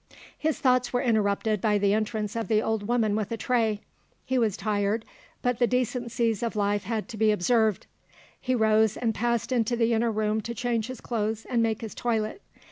His thoughts were interrupted by the entrance of the old woman with a tray. He was tired, but the decencies of life had to be observed; he rose, and passed into the inner room to change his clothes and make his toilet.